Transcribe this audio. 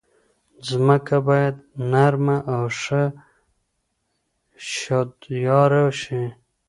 ځمکه باید نرمه او ښه شدیاره شي.